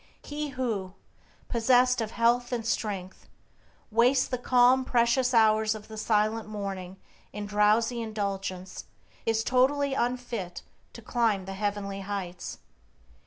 He who, possessed of health and strength, wastes the calm, precious hours of the silent morning in drowsy indulgence is totally unfit to climb the heavenly heights.